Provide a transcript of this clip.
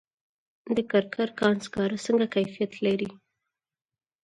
د کرکر کان سکاره څنګه کیفیت لري؟